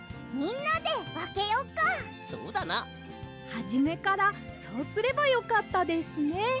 はじめからそうすればよかったですね。